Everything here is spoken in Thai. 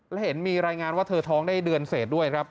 และเห็นมีรายงานว่าเธอท้องได้เดือนเศษด้วยครับ